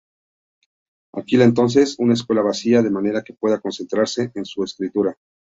Alquila entonces una escuela vacía, de manera que pueda concentrarse en su escritura.